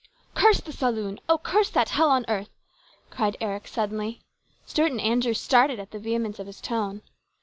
" Curse the saloon ! Oh, curse that hell on earth !" cried Eric suddenly. Stuart and Andrew started at the vehemence of his tone.